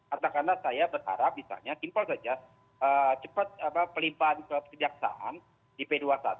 artakanlah saya berharap misalnya simple saja cepat pelimpaan kebijaksanaan di p dua puluh satu